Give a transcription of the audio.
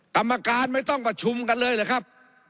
กรรมการไม่ต้องประชุมกันเลยเหรอครับ